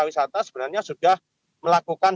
wisata sebenarnya sudah melakukan